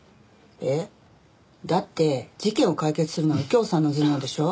えっ？だって事件を解決するのは右京さんの頭脳でしょ？